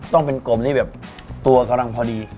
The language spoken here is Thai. ต้องเป็นกลมที่แบบตัวกำลังพอดี